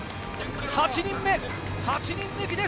８人目、８人抜きです。